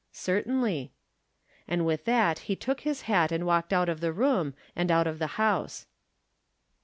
"" Certainly." And with that he took his hat and walked out of the room and out of the house.